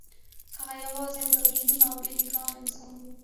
هغه یوازې یو بې نومه او بې نښانه انسان و